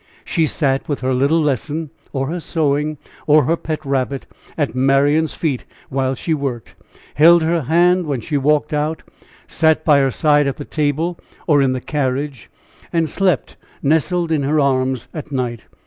She sat with her little lesson, or her sewing, or her pet rabbit, at Marian's feet while she worked; held her hand when she walked out, sat by her side at the table or in the carriage, and slept nestled in her arms at night.